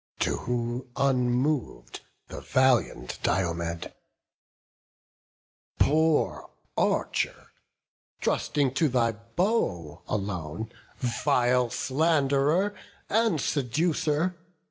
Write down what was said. To whom, unmov'd, the valiant Diomed: "Poor archer, trusting to thy bow alone, Vile sland'rer and seducer!